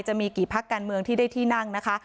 จะมีกี่พักการเมืองที่ได้ที่นั่งนะคะ